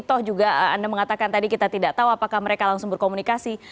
toh juga anda mengatakan tadi kita tidak tahu apakah mereka langsung berkomunikasi